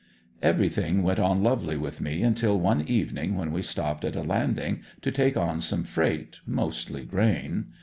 Everything went on lovely with me until one evening when we stopped at a landing to take on some freight, mostly grain.